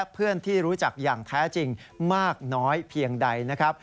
เพื่อนที่รู้จักอย่างแท้จริงมากน้อยเพียงใดนะครับ